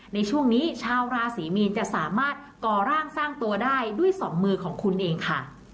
ในช่วงนี้ชาวราศรีมีนจะสามารถก่อร่างสร้างตัวได้ด้วยสองมือของคุณเองค่ะ